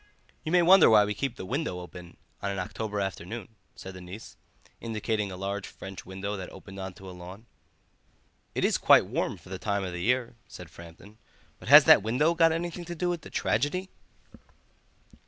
"You may wonder why we keep that window wide open on an October afternoon," said the niece, indicating a large French window that opened on to a lawn. "It is quite warm for the time of the year," said Framton; "but has that window got anything to do with the tragedy?"